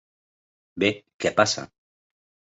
Bé, què passa?